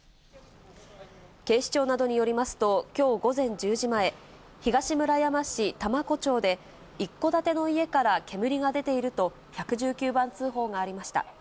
警視庁などによりますと、きょう午前１０時前、東村山市多摩湖町で、一戸建ての家から煙が出ていると、１１９番通報がありました。